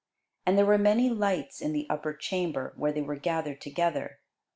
And there were many lights in the upper chamber, where they were gathered together.